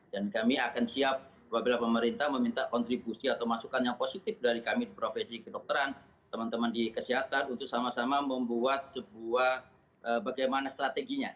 dan kami akan siap apabila pemerintah meminta kontribusi atau masukan yang positif dari kami di profesi kedokteran teman teman di kesehatan untuk sama sama membuat sebuah bagaimana strateginya